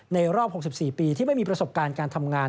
ในรอบ๖๔ปีที่ไม่มีประสบการณ์การทำงาน